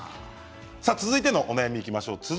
続いてのお悩みにいきましょう。